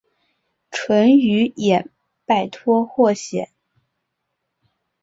淳于衍拜托霍显。